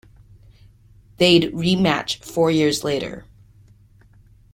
They'd rematch four years later.